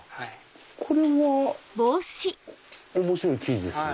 これは面白い生地ですね。